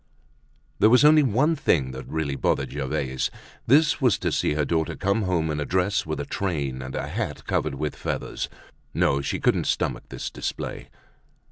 There was only one thing that really bothered Gervaise. This was to see her daughter come home in a dress with a train and a hat covered with feathers. No, she couldn't stomach this display.